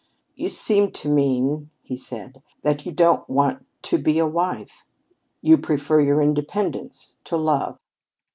"You seem to mean," he said, "that you don't want to be a wife. You prefer your independence to love."